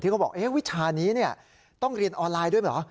เขาบอกวิชานี้ต้องเรียนออนไลน์ด้วยเหรอ